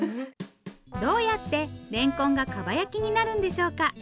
どうやってれんこんがかば焼きになるんでしょうか？